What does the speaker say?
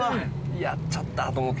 やっちゃったと思って。